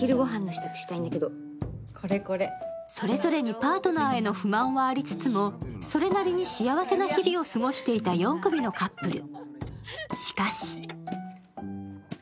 それぞれにパートナーへの不満はありつつも、それなりに幸せな日々を過ごしていた４組のカップル。